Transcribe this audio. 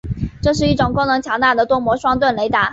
这是一种功能强大的多模双频雷达。